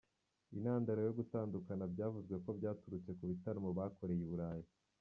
Intandaro yo gutandukana byavuzwe ko byaturutse ku bitaramo bakoreye I Burayi.